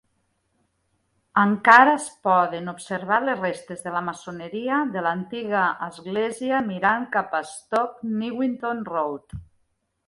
Encara es poden observar les restes de la maçoneria de l'antiga església mirant cap a Stoke Newington Road.